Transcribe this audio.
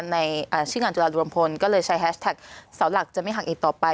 ในชื่องานจุฬาอุดมพลก็เลยใช้แฮชแท็กเสาหลักจะไม่หักอีกต่อไป